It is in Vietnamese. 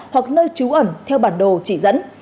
hoặc nơi trú ẩn theo bản đồ chỉ dẫn